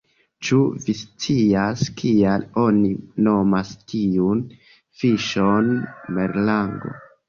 Ĉu vi scias kial oni nomas tiun fiŝon merlango?